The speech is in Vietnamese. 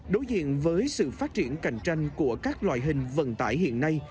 đối diện với sự phát triển cạnh tranh của các loại hình vận tải hiện nay